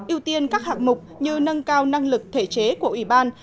ưu tiên các hạng mục như nâng cao năng lực thể chế của ủy ban